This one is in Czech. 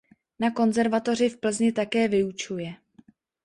Na konzervatoři v Plzni také vyučuje.